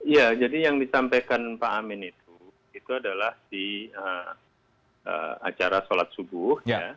ya jadi yang disampaikan pak amin itu itu adalah di acara sholat subuh